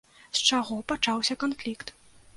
З чаго пачаўся канфлікт?